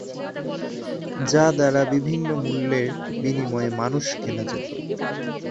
যা দ্বারা বিভিন্ন মূল্যের বিনিময়ে মানুষ কেনা যেত।